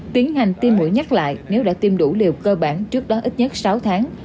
tiến hành tiêm mũi nhắc lại nếu đã tiêm đủ liều cơ bản trước đó ít nhất sáu tháng